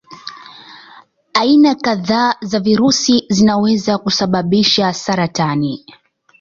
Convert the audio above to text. Aina kadhaa za virusi zinaweza kusababisha saratani.